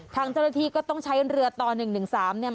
ทางเจ้าหน้าที่ก็ต้องใช้เรือต่อ๑๑๓เนี่ย